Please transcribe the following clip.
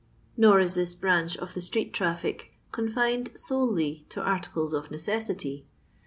Nor is this branch of the street traflic confined solely to articles of necessity.